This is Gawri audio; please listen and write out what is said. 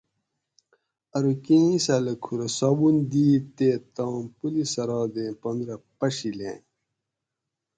ارو کیں اِیساۤلہ کُھورہ صابن دیت تے تام پلِ صراطیں پن رہ پڛیلیں